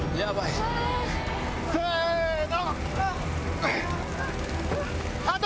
せの！